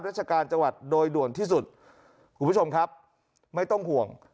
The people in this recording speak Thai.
ราชการจังหวัดโดยด่วนที่สุดคุณผู้ชมครับไม่ต้องห่วง